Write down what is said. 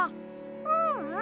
ううん。